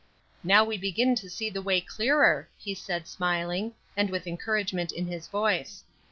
"Now we begin to see the way clearer," he said, smiling, and with encouragement in his voice.